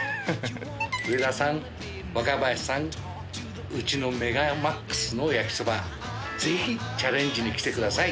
上田さん若林さんうちのメガマックスの焼きそばぜひチャレンジに来てください。